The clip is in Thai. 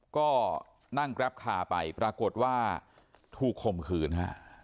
ก็นั่งกราฟคาร์ไปปรากฏว่าถูกคมคืนค่ะ